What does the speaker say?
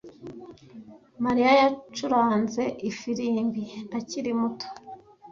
Mariya yacuranze ifirimbi akiri muto.